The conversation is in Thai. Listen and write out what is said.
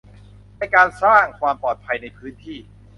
ในการสร้างความปลอดภัยในพื้นที่